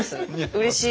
うれしい。